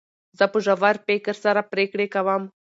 زه په ژور فکر سره پرېکړي کوم.